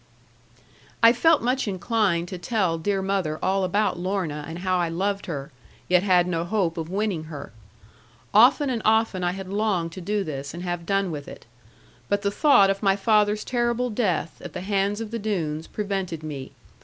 I felt much inclined to tell dear mother all about Lorna, and how I loved her, yet had no hope of winning her. Often and often, I had longed to do this, and have done with it. But the thought of my father's terrible death, at the hands of the Doones, prevented me.